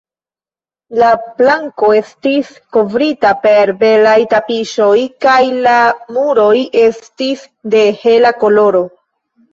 La planko estis kovrita per belaj tapiŝoj, kaj la muroj estis de hela koloro.